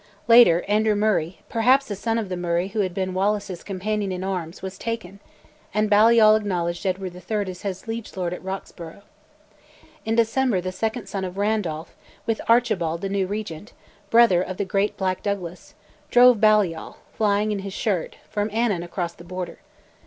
Later, Andrew Murray, perhaps a son of the Murray who had been Wallace's companion in arms, was taken, and Balliol acknowledged Edward III. as his liege lord at Roxburgh. In December the second son of Randolph, with Archibald, the new Regent, brother of the great Black Douglas, drove Balliol, flying in his shirt, from Annan across the Border.